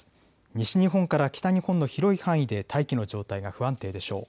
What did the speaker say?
西日本から北日本の広い範囲で大気の状態が不安定でしょう。